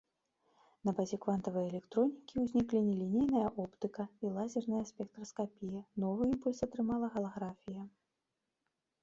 На базе квантавай электронікі ўзніклі нелінейная оптыка і лазерная спектраскапія, новы імпульс атрымала галаграфія.